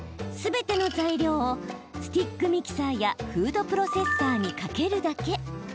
すべての材料をスティックミキサーやフードプロセッサーにかけるだけ。